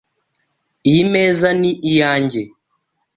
Iyi meza ni iyanjye .